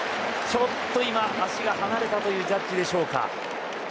ちょっと足が離れたというジャッジでしょうか。